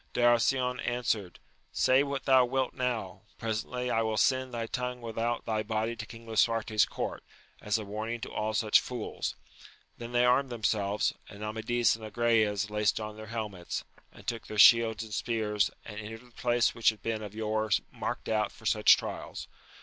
Darasion answered, say what thou wilt now ! presently I will send thy tongue without thy body to King Lisuarte's court, as a warning to all such fools ! Then they armed themselves ; and Amadis and Agrayes laced on their helmets, and took their shields and spears, and entered the place which had been of yore marked out for such trials.